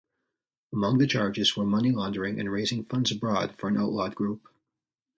Among the charges were money laundering and raising funds abroad for an outlawed group.